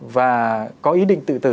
và có ý định tự tử